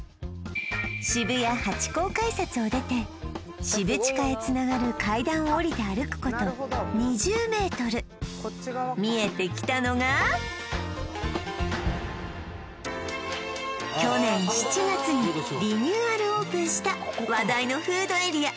渋谷ハチ公改札を出てしぶちかへつながる階段を下りて歩くこと２０ｍ見えてきたのが去年７月にリニューアルオープンした話題のフードエリア